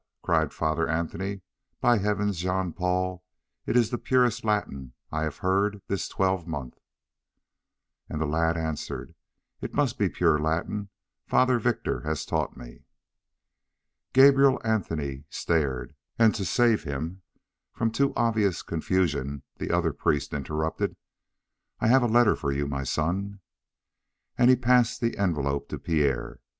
cried Father Anthony. "By heavens, Jean Paul, it is the purest Latin I have heard this twelvemonth." And the lad answered: "It must be pure Latin; Father Victor has taught me." Gabrielle Anthony stared, and to save him from too obvious confusion the other priest interrupted: "I have a letter for you, my son." And he passed the envelope to Pierre.